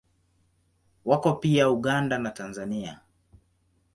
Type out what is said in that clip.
Wako pia Uganda na Tanzania.